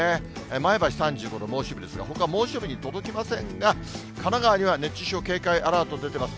前橋３５度、猛暑日ですが、ほかは猛暑日に届きませんが、神奈川には熱中症警戒アラート出てます。